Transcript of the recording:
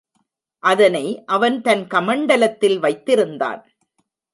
அதனை அவன் தன் கமண்டலத்தில் வைத்திருந்தான்.